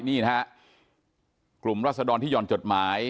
นี่นะฮะกลุ่มรัศดรที่หย่อนจดหมาย